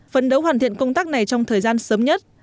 phấn đấu hoàn thiện công tác này trong thời gian sớm nhất